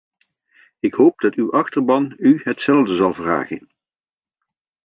Ik hoop dat uw achterban u hetzelfde zal vragen.